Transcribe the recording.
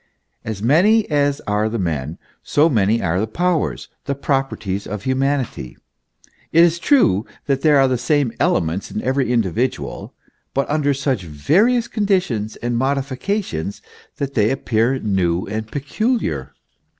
As many as are the men, so many are the powers, the properties of humanity. It is true that there are the same elements in every individual, but under such various conditions and modifications that they appear new and peculiar.